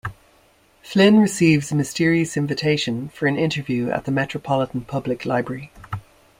Flynn receives a mysterious invitation for an interview at the Metropolitan Public Library.